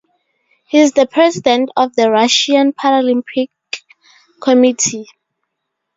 He is the President of the Russian Paralympic Committee.